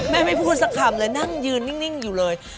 ไม่พูดสักคำเลยนั่งยืนนิ่งอยู่เลย